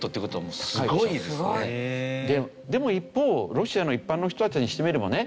でも一方ロシアの一般の人たちにしてみてもね